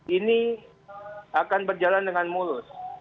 ini akan berjalan dengan mulus